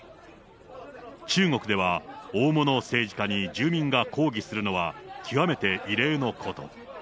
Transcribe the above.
中国では大物政治家に住民が抗議するのは極めて異例のこと。